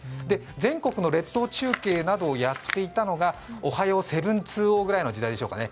全国の列島中継などをやっていたのが「おはよう７２０」ぐらいの時代でしょうかね。